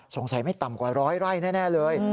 สงสัยไม่ต่ำกว่าร้อยไร่แน่เลย